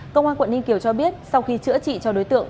công an quận ninh kiều cho biết sau khi chữa trị cho đối tượng